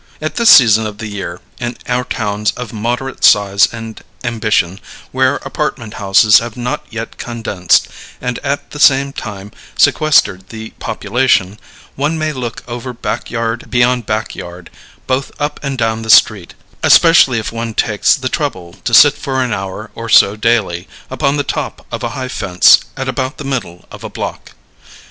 At this season of the year, in our towns of moderate size and ambition, where apartment houses have not yet condensed and at the same time sequestered the population, one may look over back yard beyond back yard, both up and down the street; especially if one takes the trouble to sit for an hour or so daily, upon the top of a high fence at about the middle of a block.